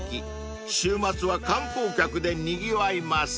［週末は観光客でにぎわいます］